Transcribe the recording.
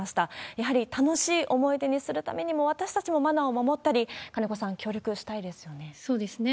やはり楽しい思い出にするためにも、私たちもマナーを守ったり、そうですね。